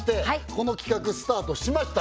この企画スタートしました